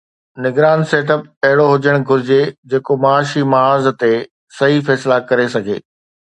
نگران set up اهڙو هجڻ گهرجي جيڪو معاشي محاذ تي صحيح فيصلا ڪري سگهي.